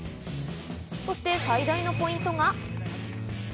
そして最大のポイントが。